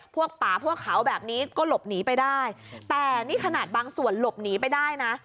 ป่าพวกเขาแบบนี้ก็หลบหนีไปได้แต่นี่ขนาดบางส่วนหลบหนีไปได้นะ